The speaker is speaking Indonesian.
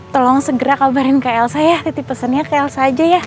tolong segera kabarin ke elsa ya titip pesannya ke elsa aja ya